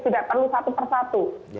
tidak perlu satu persatu